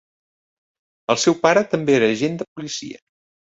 El seu pare també era agent de policia.